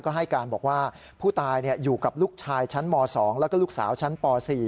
ก็ให้การบอกว่าผู้ตายอยู่กับลูกชายชั้นม๒แล้วก็ลูกสาวชั้นป๔